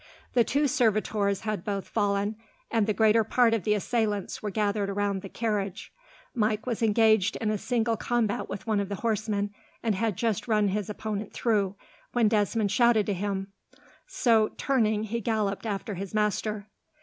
The two servitors had both fallen, and the greater part of the assailants were gathered round the carriage. Mike was engaged in a single combat with one of the horsemen, and had just run his opponent through when Desmond shouted to him; so, turning, he galloped after his master.